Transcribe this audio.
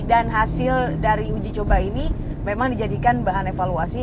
dan hasil dari uji coba ini memang dijadikan bahan evaluasi